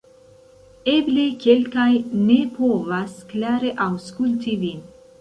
Eble kelkaj ne povas klare aŭskulti vin